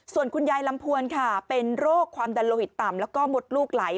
ส่วนคุณยายลำพวนค่ะเป็นโรคความดันโลหิตต่ำแล้วก็มดลูกไหล